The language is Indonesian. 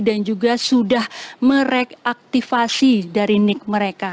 dan juga sudah mereaktivasi dari nik mereka